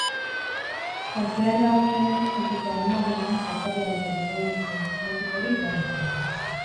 Janzkerari dagokionez, ez dute animaliengan jatorria duten ehun edo kosmetikorik erabiltzen.